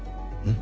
ん？